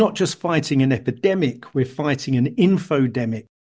kita bukan hanya menangani epidemik kita menangani infodemik